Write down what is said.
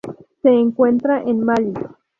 Se encuentra en Malí.